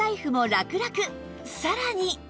さらに